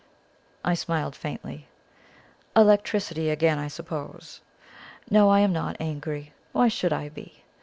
I smiled faintly. "Electricity again, I suppose! No, I am not angry. Why should I be?